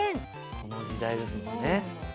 この時代ですもんね。